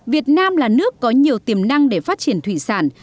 việt nam là nước có nhiều tiềm năng để phát triển thủy sản